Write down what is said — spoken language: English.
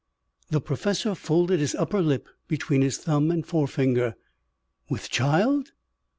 The professor folded his upper lip between his thumb and forefinger. "With child?